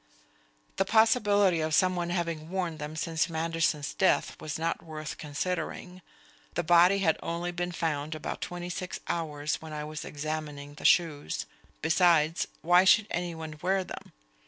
The possibility of someone having worn them since Manderson's death was not worth considering; the body had only been found about twenty six hours when I was examining the shoes; besides, why should any one wear them?